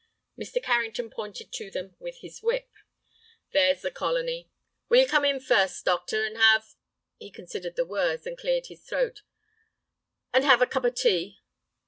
Mr. Carrington pointed to them with his whip. "There's the colony. Will you come in first, doctor, and have—" he reconsidered the words and cleared his throat—"and have—a cup of tea?"